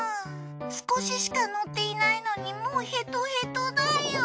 少ししか乗っていないのにもうヘトヘトだよ。